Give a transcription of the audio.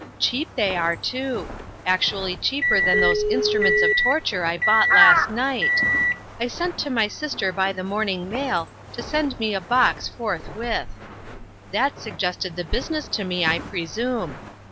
Cheap they are, too. Actually cheaper than those instruments of torture I bought last night. I sent to my sister by the morning mail, to send me a box forthwith. That suggested the business to me, I pre sume.